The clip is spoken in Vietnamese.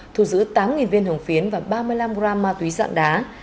thu giữ tám viên hồng phiến và ba mươi năm gram ma túy dạng đá